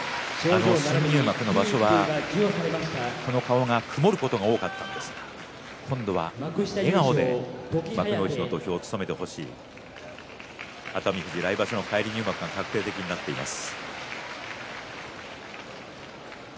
新入幕の場所はこの顔が曇ることが多かったんですが、今度は笑顔で幕内の土俵を務めてほしい熱海富士、来場所の返り入幕が確定的になっています。